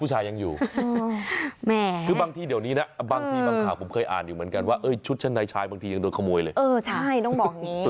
เหมือนหมามันคุ้นอย่างนี้ไหม